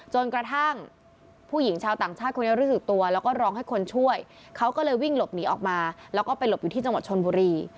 จนกระทั่งผู้หญิงชาวต่างชาติคนนี้รู้สึกตัวแล้วก็ร้องให้คนช่วยเขาก็เลยวิ่งหลบหนีออกมาแล้วก็ไปหลบอยู่ที่จังหวัดชนบุรี